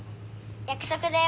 約束だよ。